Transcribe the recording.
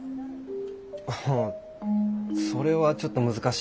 ああそれはちょっと難しいよね。